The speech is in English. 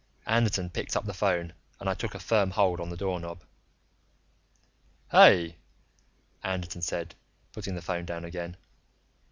Anderton picked up the phone and I took a firm hold on the doorknob. "Hey," Anderton said, putting the phone down again.